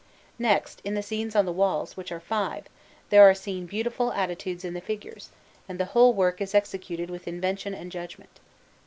Next, in the scenes on the walls, which are five, there are seen beautiful attitudes in the figures, and the whole work is executed with invention and judgment.